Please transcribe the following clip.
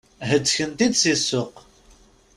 Hettken-t-id si ssuq.